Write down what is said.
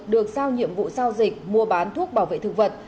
được sao nhiệm vụ giao dịch mua bán thuốc bảo vệ thực vật